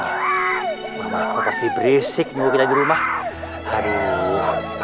ada lari lari di rumah capek look ini